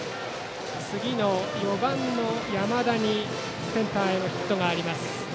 次の４番、山田にセンターへのヒットがあります。